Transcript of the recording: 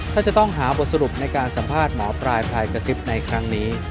ถ้าจะต้องหาบทสรุปในการสัมภาษณ์หมอปลายพลายกระซิบในครั้งนี้